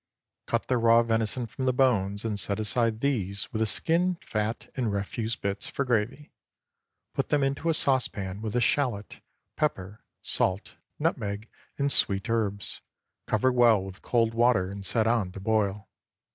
Cut the raw venison from the bones, and set aside these, with the skin, fat, and refuse bits, for gravy. Put them into a saucepan with a shallot, pepper, salt, nutmeg and sweet herbs, cover well with cold water, and set on to boil.